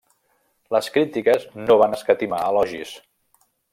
Les crítiques no van escatimar elogis.